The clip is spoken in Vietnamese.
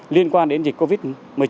liên quan đến dịch covid một mươi chín